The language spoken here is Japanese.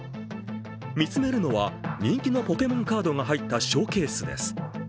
見つめるのは人気のポケモンカードが入ったショーケースです。